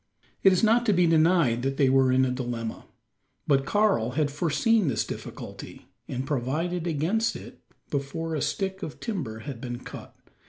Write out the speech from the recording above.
It is not to be denied that they were in a dilemma. But Karl had foreseen this difficulty, and provided against it before a stick of timber had been cut.